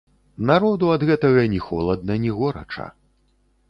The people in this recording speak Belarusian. Народу ад гэтага ні холадна, ні горача.